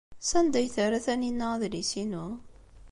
Sanda ay terra Taninna adlis-inu?